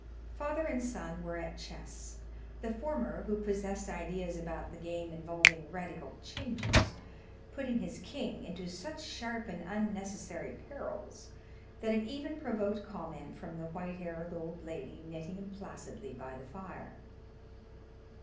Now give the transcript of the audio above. Father and son were at chess, the former, who possessed ideas about the game involving radical changes, putting his king into such sharp and unnecessary perils that it even provoked comment from the white haired old lady knitting placidly by the fire.